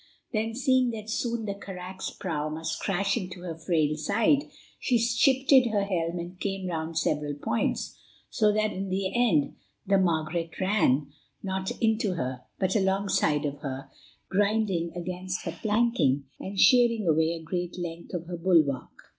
Then, seeing that soon the carack's prow must crash into her frail side, she shifted her helm and came round several points, so that in the end the Margaret ran, not into her, but alongside of her, grinding against her planking, and shearing away a great length of her bulwark.